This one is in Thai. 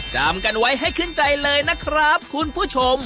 จำกันไว้ให้ขึ้นใจเลยนะครับคุณผู้ชม